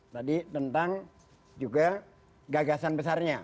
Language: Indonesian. tadi tentang juga gagasan besarnya